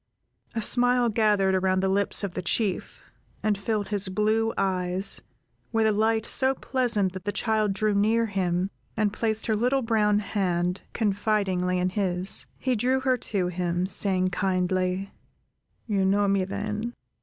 A smile gathered around the lips of the Chief, and filled his blue eyes, with a light so pleasant that the child drew near him, and placed her little brown hand confidingly in his. He drew her to him, saying, kindly:— "You know me, then?